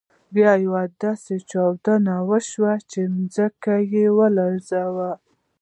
بیا یوه داسې چاودنه وشول چې ځمکه يې ولړزول.